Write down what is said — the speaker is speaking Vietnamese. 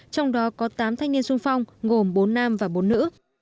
trong đó có tám thanh niên sung phong gồm bốn nam và bốn nữ